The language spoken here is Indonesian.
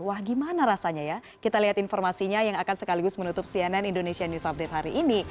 wah gimana rasanya ya kita lihat informasinya yang akan sekaligus menutup cnn indonesia news update hari ini